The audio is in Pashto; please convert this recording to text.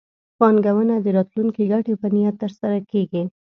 پانګونه د راتلونکي ګټې په نیت ترسره کېږي.